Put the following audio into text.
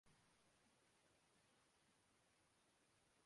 پیچیدہ مسائل کو حل کر سکتا ہوں